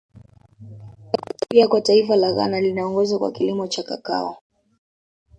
Pia kwa taifa la Ghana linaongoza kwa kilimo cha Kakao